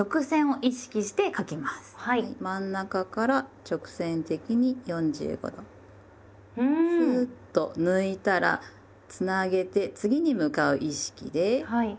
真ん中から直線的に４５度スーッと抜いたらつなげて次に向かう意識で右払いへ。